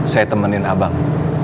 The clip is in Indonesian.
saya temenin abang